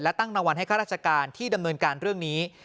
ตั้งรางวัลให้ข้าราชการที่ดำเนินการเรื่องนี้